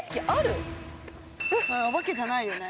お化けじゃないよね？